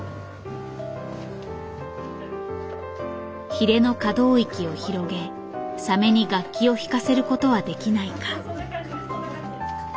ヒレの可動域を広げサメに楽器を弾かせることはできないか。